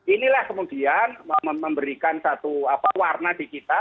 inilah kemudian memberikan satu warna di kita